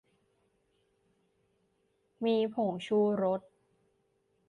มีผงชูรส